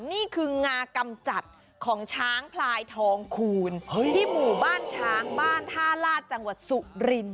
นี่คืองากำจัดของช้างพลายทองคูณที่หมู่บ้านช้างบ้านท่าลาดจังหวัดสุริน